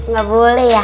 nggak boleh ya